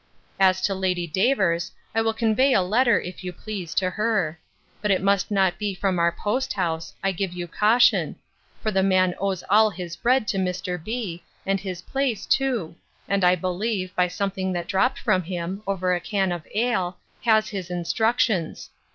'As to Lady Davers, I will convey a letter, if you please, to her; but it must not be from our post house, I give you caution; for the man owes all his bread to Mr. B——, and his place too; and I believe, by something that dropt from him, over a can of ale, has his instructions.